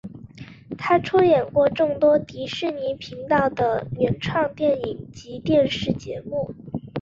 他出演过众多迪士尼频道的原创电影及电视节目。